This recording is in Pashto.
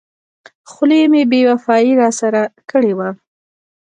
خولۍ مې بې وفایي را سره کړې وه.